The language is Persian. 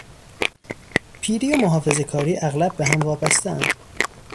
پیری و محافظهکاری اغلب به هم وابستهاند.